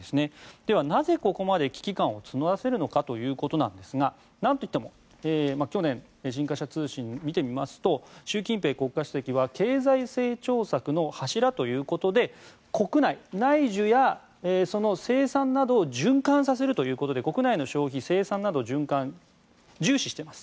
では、なぜここまで危機感を募らせるのかですがなんといっても去年新華社通信を見てみますと習近平政権は国内経済成長の柱として国内内需やその生産などを循環させるということで国内の消費生産などを重視しています。